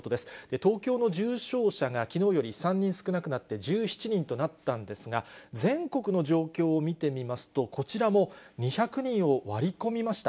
東京の重症者が、きのうより３人少なくなって１７人となったんですが、全国の状況を見てみますと、こちらも２００人を割り込みました。